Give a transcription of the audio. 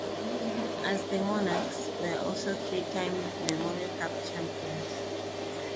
As the Monarchs were also three-time Memorial Cup champions.